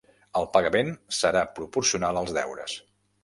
El pagament serà proporcional als deures.